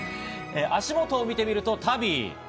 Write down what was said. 足元を見てみると、足袋。